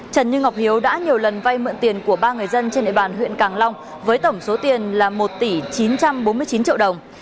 trần như ngọc hiếu đã nhiều lần vay mượn tiền của ba người dân trên địa bàn huyện càng long với tổng số tiền là một tỷ chín trăm bốn mươi chín triệu đồng